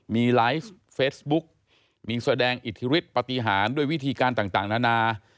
มีไลฟ์เฟซบุ๊กมีแสดงอิทธิฤทธิปฏิหารด้วยวิธีการต่างนานา